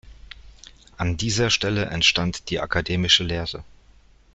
An dieser Stelle entstand die akademische Lehre.